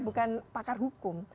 bukan pakar hukum